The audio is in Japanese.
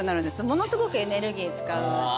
ものすごくエネルギー使う。